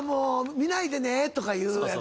見ないでね」とかいうやつ。